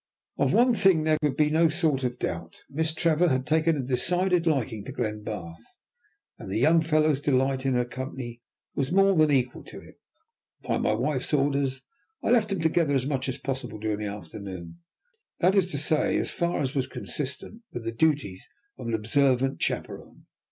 Of one thing there could be no sort of doubt. Miss Trevor had taken a decided liking to Glenbarth, and the young fellow's delight in her company was more than equal to it. By my wife's orders I left them together as much as possible during the afternoon, that is to say as far as was consistent with the duties of an observant chaperon.